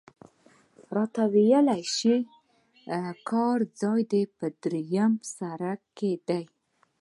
راته ویل شوي کار ځای په درېیم سړک کې دی.